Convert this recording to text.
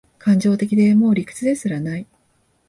感情的で、もう理屈ですらない